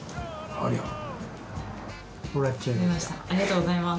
ありがとうございます。